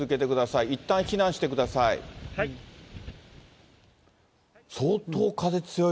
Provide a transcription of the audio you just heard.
いったん避難してください。